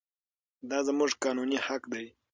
دا زموږ قانوني حق دی.